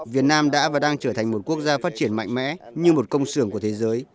việt nam đã và đang trở thành một quốc gia phát triển mạnh mẽ như một công sưởng của thế giới